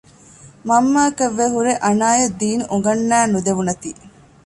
މަންމައަކަށްވެ ހުރެ އަނާއަށް ދީން އުނގަންނައި ނުދެވުނަތީ